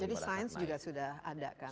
jadi sains juga sudah ada kan